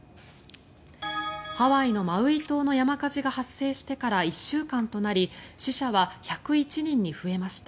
ハワイのマウイ島の山火事が発生してから１週間となり死者は１０１人に増えました。